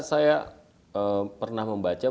saya pernah membaca